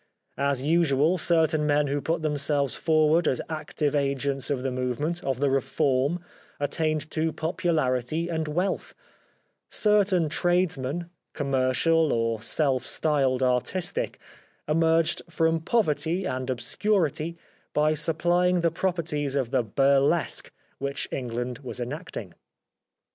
As usual, certain men who put them selves forward as active agents of the movement, of the reform, attained to popularity and wealth ; certain tradesmen, commercial or self styled artistic, emerged from poverty and obscurity by supplying the properties of the burlesque which England was enacting.